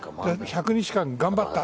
１００日間頑張った。